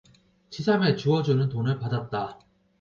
치삼의 주워 주는 돈을 받았다